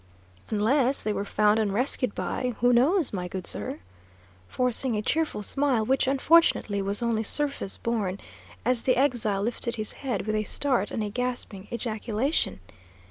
"Unless they were found and rescued by who knows, my good sir?" forcing a cheerful smile, which, unfortunately, was only surface born, as the exile lifted his head with a start and a gasping ejaculation.